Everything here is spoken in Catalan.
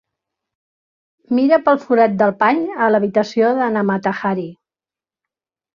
Mira pel forat del pany a l'habitació de na Mata-Hari.